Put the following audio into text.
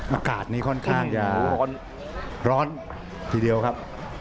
อากาศนี้ค่อนข้างจะร้อนทีเดียวครับ